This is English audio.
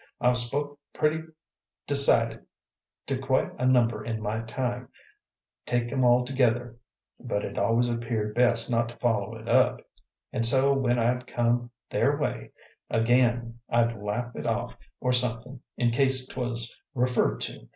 "I've spoke pretty decided to quite a number in my time, take 'em all together, but it always appeared best not to follow it up; an' so when I'd come their way again I'd laugh it off or somethin', in case 't was referred to.